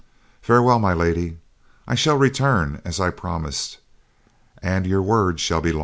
"Farewell, My Lady. I shall return as I promised, and your word shall be law."